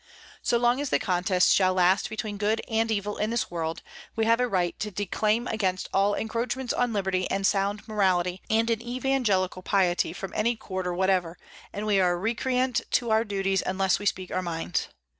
So long as the contest shall last between good and evil in this world, we have a right to declaim against all encroachments on liberty and sound morality and an evangelical piety from any quarter whatever, and we are recreant to our duties unless we speak our minds.